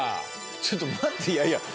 ちょっと待っていやいや。